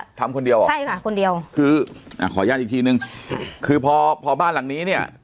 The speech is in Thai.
ใช่ค่ะคนเดียวคืออ่ะขออนุญาตอีกทีหนึ่งคือพอพอบ้านหลังนี้เนี้ย